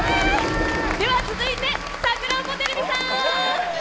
続いてさくらんぼテレビさん。